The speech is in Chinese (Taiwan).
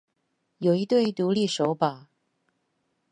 有一對獨立手把